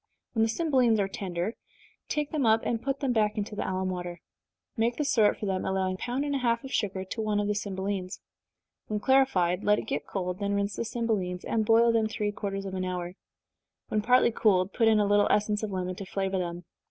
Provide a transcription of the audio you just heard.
When the cymbelines are tender, take them up, and put them back into the alum water. Make the syrup for them, allowing a pound and a half of sugar to one of the cymbelines. When clarified, let it get cold then rinse the cymbelines, and boil them three quarters of an hour. When partly cooled, put in a little essence of lemon to flavor them.